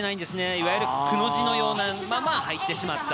いわゆる、くの字のようなまま入ってしまった。